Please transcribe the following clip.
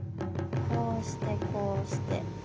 こうしてこうして。